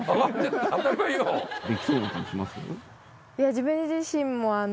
自分自身もあの。